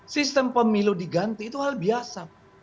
sistem pemilu diganti itu hal biasa